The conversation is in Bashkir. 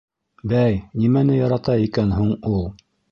Бәй, нимәне ярата икән һуң ул?